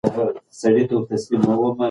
د آدمخورو څېرې به د هر چا زړه لړزاوه.